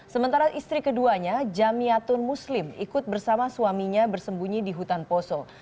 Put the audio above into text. sementara istri keduanya jamiatun muslim ikut bersama suaminya bersembunyi di hutan poso